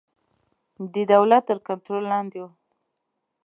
د دولت تر کنټرول لاندې وو.